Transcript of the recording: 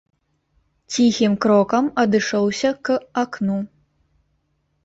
Ціхім крокам адышоўся к акну.